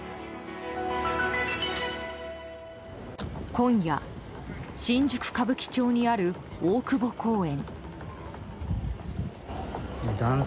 今夜、新宿・歌舞伎町にある大久保公園。